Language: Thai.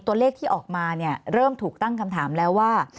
ตัวเลขที่ออกมาเนี่ยเริ่มถูกตั้งคำถามแล้วว่า